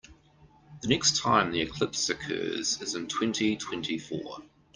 The next time the eclipse occurs is in twenty-twenty-four.